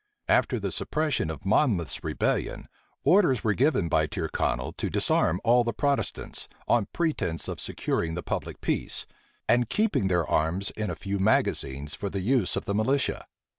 After the suppression of Monmouth's rebellion, orders were given by Tyrconnel to disarm all the Protestants, on pretence of securing the public peace, and keeping their arms in a few magazines for the use of the militia.